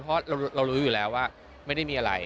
เพราะเรารู้อยู่แล้วว่าไม่ได้มีอะไร